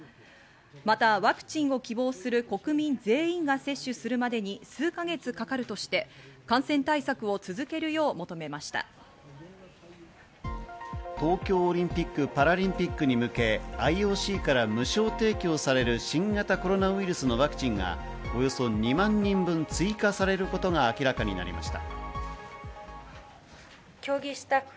またワクチンを希望する国民全員が接種するまでに数か月かかるとして、感染対策を続けるよう求めま東京オリンピック・パラリンピックに向け、ＩＯＣから無償提供される新型コロナウイルスのワクチンがおよそ２万人分追加されることが明らかになりました。